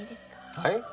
はい？